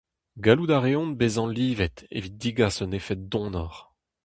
Gallout a reont bezañ livet evit degas un efed donoc'h.